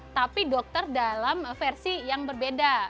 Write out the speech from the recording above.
tapi dokter dalam versi yang berbeda